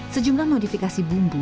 sejumlah modifikasi bumbu